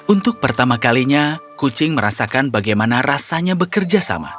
untuk pertama kalinya kucing merasakan bagaimana rasanya bekerja sama